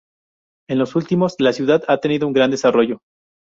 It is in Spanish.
En los últimos la ciudad ha tenido un gran desarrollo.